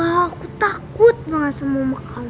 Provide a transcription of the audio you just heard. enggak aku takut banget sama rumah kamu